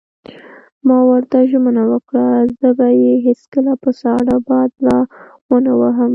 ما ورته ژمنه وکړه: زه به یې هېڅکله په ساړه باد لا ونه وهم.